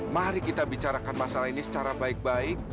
mari kita bicarakan masalah ini secara baik baik